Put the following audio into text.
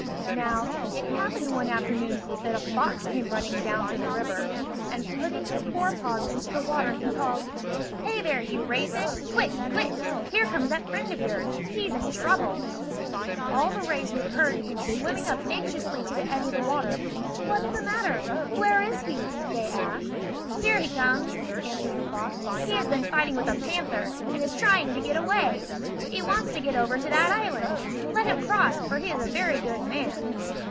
Now, it happened one afternoon that a fox came running down to the river; and putting his forepaws into the water he called: "Hey there, you ray fish! Quick! Quick! Here comes that friend of yours! He's in trouble!" All the rays who heard came swimming up anxiously to the edge of the water. "What's the matter? Where is he?" they asked. "Here he comes!" answered the fox. "He has been fighting with a panther, and is trying to get away! He wants to get over to that island! Let him cross, for he is a very good man!"